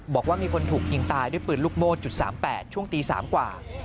บอกว่ามีคนถูกยิงตายด้วยปืนลูกโม่จุด๓๘ช่วงตี๓กว่า